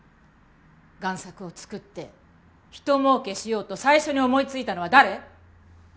贋作をつくってひと儲けしようと最初に思いついたのは誰？